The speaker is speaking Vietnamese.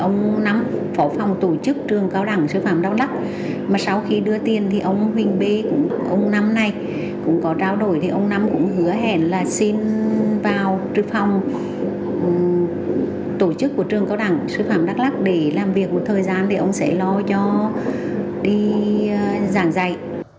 ông năm phỏ phòng tổ chức trường cao đẳng sư phẩm đắk lắc mà sau khi đưa tiền thì ông huỳnh bê ông năm này cũng có trao đổi thì ông năm cũng hứa hẹn là xin vào trực phòng tổ chức của trường cao đẳng sư phẩm đắk lắc để làm việc một thời gian để ông sẽ lo cho đi giảng dạy